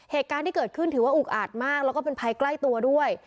เหตุการณ์ที่เกิดขึ้นถือว่าอุกอาจมากแล้วก็เป็นภัยใกล้ตัวด้วย